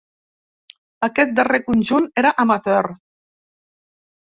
Aquest darrer conjunt era amateur.